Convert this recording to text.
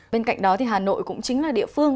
bên cạnh đó thì hà nội cũng chính là địa phương